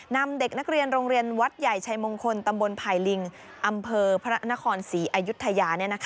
นำเด็กนักเรียนโรงเรียนวัดใหญ่ชัยมงคลตำบลไผ่ลิงอำเภอพระนครศรีอายุทยา